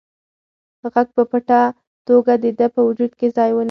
غږ په پټه توګه د ده په وجود کې ځای ونیوه.